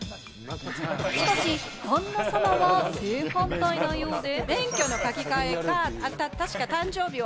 しかし、旦那様は正反対のようで。